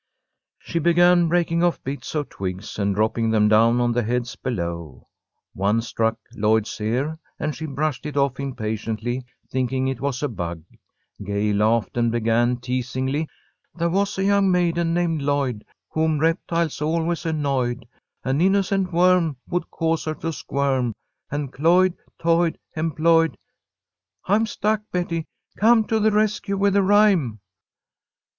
She began breaking off bits of twigs and dropping them down on the heads below. One struck Lloyd's ear, and she brushed it off impatiently, thinking it was a bug. Gay laughed and began teasingly: "There was a young maiden named Lloyd, Whom reptiles always annoyed. An innocent worm would cause her to squirm, And cloyed toyed employed I'm stuck, Betty. Come to the rescue with a rhyme."